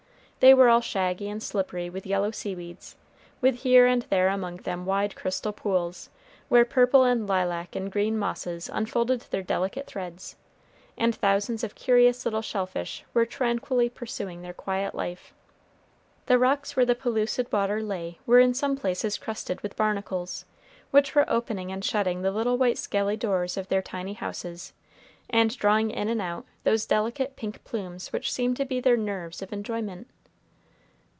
They were all shaggy and slippery with yellow seaweeds, with here and there among them wide crystal pools, where purple and lilac and green mosses unfolded their delicate threads, and thousands of curious little shell fish were tranquilly pursuing their quiet life. The rocks where the pellucid water lay were in some places crusted with barnacles, which were opening and shutting the little white scaly doors of their tiny houses, and drawing in and out those delicate pink plumes which seem to be their nerves of enjoyment.